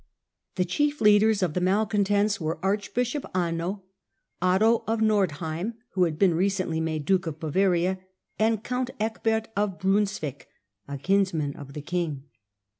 The chief leaders of the malcontents were archbishop Anno, Otto of Nordheim, who had been recently made duke of Bavaria, and count Ecbert of Brunswick, a kinsman of the king.